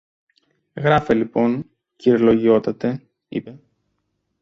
Γράφε λοιπόν, κυρ-λογιότατε, είπε.